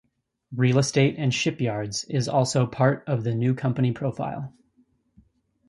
Real estate and shipyards is also part of the new company portfolio.